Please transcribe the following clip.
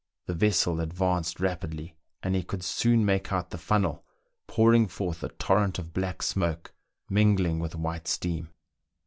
The vessel advanced rapidly, and he could soon make out the funnel pouring forth a torrent of black smoke mingling with white steam.